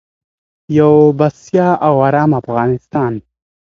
یو بسیا او ارام افغانستان.